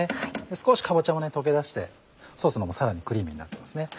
少しかぼちゃも溶け出してソースの方もさらにクリーミーになってますね。